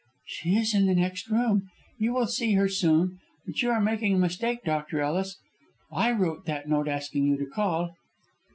"She is in the next room. You will see her soon. But you are making a mistake, Dr. Ellis. I wrote that note asking you to call."